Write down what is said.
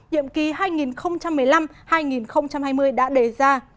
nhiệm kỳ hai nghìn một mươi năm hai nghìn hai mươi đã đề ra